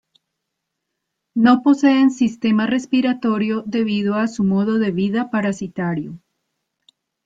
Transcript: No poseen sistema respiratorio debido a su modo de vida parasitario.